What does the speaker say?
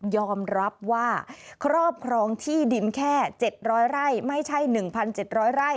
ยอมรับว่าครอบครองที่ดินแค่๗๐๐ไร่ไม่ใช่๑๗๐๐ไร่